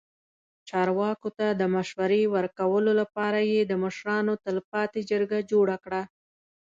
چارواکو ته د مشورې ورکولو لپاره یې د مشرانو تلپاتې جرګه جوړه کړه.